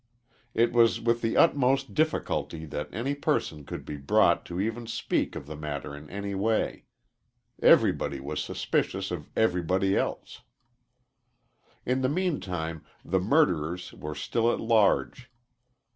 It was with the utmost difficulty that any person could be brought to even speak of the matter in any way. Everybody was suspicious of everybody else. In the meantime the murderers were still at large.